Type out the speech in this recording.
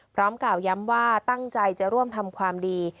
กล่าวย้ำว่าตั้งใจจะร่วมทำความดี